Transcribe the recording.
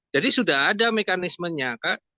jadi sudah ada mekanismenya kak